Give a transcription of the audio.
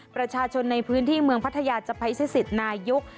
ประชาชนในพื้นที่เมืองพัทยาจะไปใช้สิทธิ์นายก